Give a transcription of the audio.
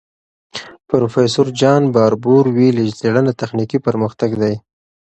پروفیسور جان باربور ویلي، څېړنه تخنیکي پرمختګ دی.